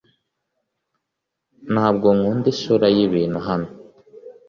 Ntabwo nkunda isura yibintu hano .